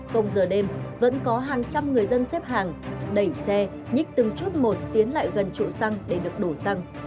công giờ đêm vẫn có hàng trăm người dân xếp hàng đẩy xe nhích từng chút một tiến lại gần trụ xăng để được đổ xăng